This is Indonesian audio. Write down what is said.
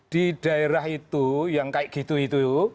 di daerah itu yang kayak gitu itu